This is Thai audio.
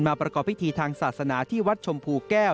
ประกอบพิธีทางศาสนาที่วัดชมพูแก้ว